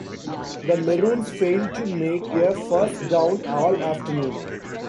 The Maroons failed to make a first down all afternoon.